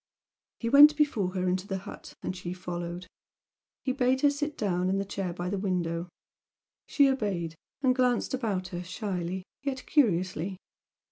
He went before her into the hut, and she followed. He bade her sit down in the chair by the window, she obeyed, and glanced about her shyly, yet curiously.